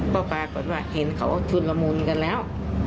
ก็ปรากฏว่าเห็นเขาชุนละมุนกันแล้ว